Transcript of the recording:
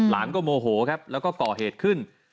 ก็โมโหครับแล้วก็ก่อเหตุขึ้น